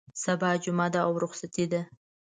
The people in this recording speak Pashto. سبا جمعه ده او رخصتي ده.